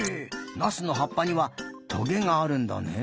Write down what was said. ナスのはっぱにはトゲがあるんだねえ。